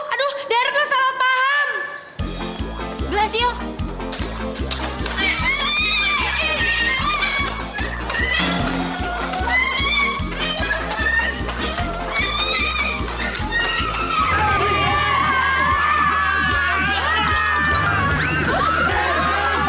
aduh daran lo salah paham